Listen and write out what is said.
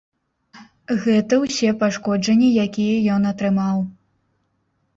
Гэта ўсе пашкоджанні, якія ён атрымаў.